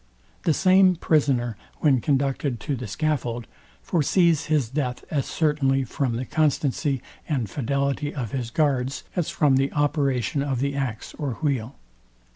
The same prisoner, when conducted to the scaffold, foresees his death as certainly from the constancy and fidelity of his guards as from the operation of the ax or wheel.